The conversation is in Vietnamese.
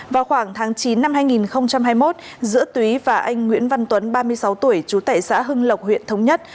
vào khoảng tháng chín năm hai nghìn hai mươi một giữa túy và anh nguyễn văn tuấn ba mươi sáu tuổi trú tại xã hưng lộc huyện thống nhất